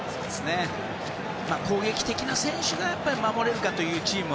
攻撃的な選手が守れるかというチーム。